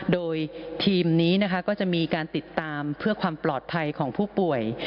โดยทีมนี้นะคะก็จะมีการติดตามเพื่อความปลอดภัยของผู้ป่วย